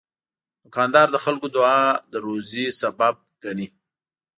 دوکاندار د خلکو دعا د روزي سبب ګڼي.